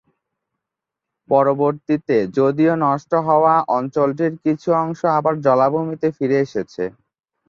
পরবর্তীতে যদিও নষ্ট হওয়া অঞ্চলটির কিছু অংশ আবার জলাভূমিতে ফিরে এসেছে।